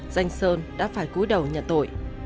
danh sơn đã phải cúi đầu nhận tội